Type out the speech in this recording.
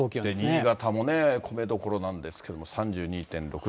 新潟も米どころなんですけれども、３２．６度。